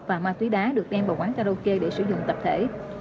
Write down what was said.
và ma túy đá được đem vào quán karaoke để sử dụng tập thể